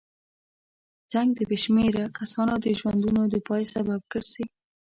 جنګ د بې شمېره کسانو د ژوندونو د پای سبب ګرځي.